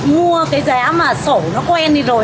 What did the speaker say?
mua cái giá mà sổ nó quen đi rồi